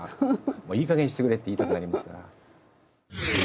もういいかげんにしてくれって言いたくなりますから。